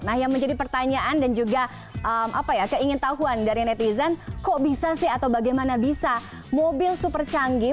nah yang menjadi pertanyaan dan juga keingin tahuan dari netizen kok bisa sih atau bagaimana bisa mobil super canggih